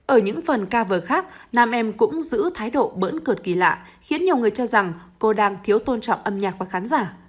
ở những phần ca vờ khác nam em cũng giữ thái độ bỡn cực kỳ lạ khiến nhiều người cho rằng cô đang thiếu tôn trọng âm nhạc và khán giả